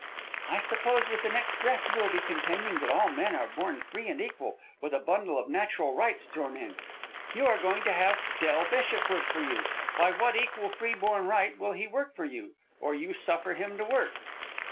"I suppose with the next breath you will be contending that all men are born free and equal, with a bundle of natural rights thrown in? You are going to have Del Bishop work for you; by what equal free born right will he work for you, or you suffer him to work?"